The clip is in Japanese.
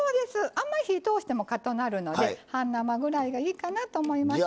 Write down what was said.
あんまり火通してもかたくなるので半生ぐらいがいいかなと思います。